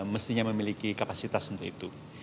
mestinya memiliki kapasitas untuk itu